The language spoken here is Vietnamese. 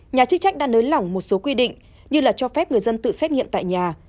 nhà chức trách đã nới lỏng một số quy định như là cho phép người dân tự xét nghiệm tại nhà